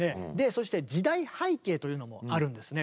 そして時代背景というのもあるんですね